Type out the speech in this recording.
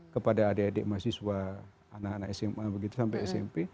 kepada adik adik mahasiswa anak anak sma begitu sampai smp